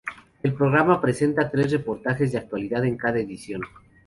El programa presenta tres reportajes de actualidad en cada edición.